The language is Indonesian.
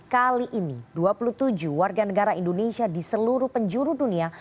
kali ini dua puluh tujuh warga negara indonesia di seluruh penjuru dunia